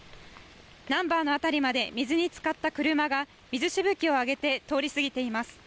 ナンバーの辺りまで水につかった車が水しぶきを上げて通り過ぎています。